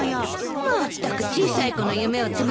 まったく小さい子の夢をつぶすなんて。